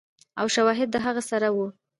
او شواهد د هغه سره ؤ